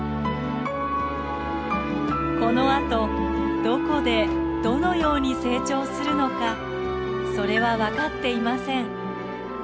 このあとどこでどのように成長するのかそれは分かっていません。